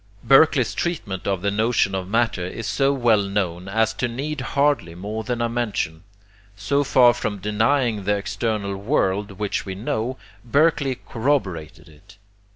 Berkeley's treatment of the notion of matter is so well known as to need hardly more than a mention. So far from denying the external world which we know, Berkeley corroborated it.